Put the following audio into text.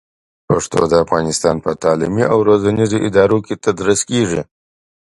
پښتو د افغانستان په تعلیمي او روزنیزو ادارو کې تدریس کېږي.